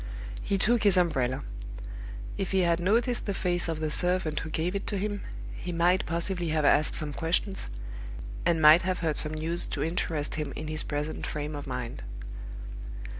He took his umbrella. If he had noticed the face of the servant who gave it to him, he might possibly have asked some questions, and might have heard some news to interest him in his present frame of mind.